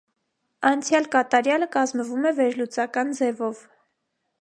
Անցյալ կատարյալը կազմվում է վերլուծական ձևով։